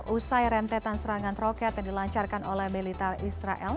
usai rentetan serangan roket yang dilancarkan oleh militer israel